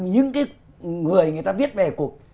những cái người người ta viết về cuộc